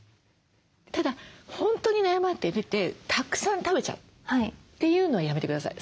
ただ本当に悩まれててたくさん食べちゃうというのはやめて下さい。